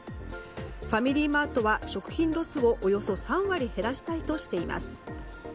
ファミリーマートは食品ロスをおよそ３割減らしたいとしています。